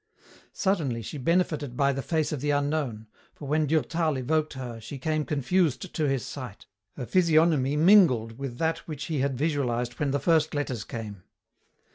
Suddenly she benefited by the face of the unknown, for when Durtal evoked her she came confused to his sight, her physiognomy mingled with that which he had visualized when the first letters came.